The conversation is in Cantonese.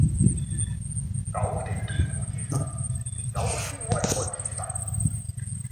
九地堅固之神，九天威悍之神